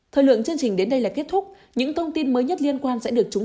thời lượng chương trình đến đây là kết thúc những thông tin mới nhất liên quan sẽ được chúng